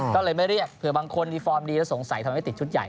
ก็เลยไม่เรียกเผื่อบางคนมีฟอร์มดีแล้วสงสัยทำให้ติดชุดใหญ่